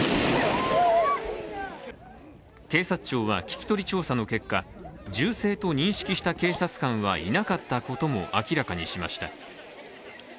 警察庁は、聴き取り調査の結果銃声と認識した警察官はいなかったことも明らかにしました。